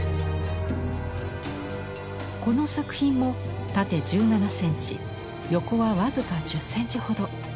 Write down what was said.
この作品も縦１７センチ横は僅か１０センチほど。